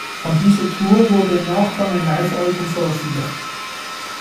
Von dieser Tour wurde im Nachgang ein Live-Album veröffentlicht.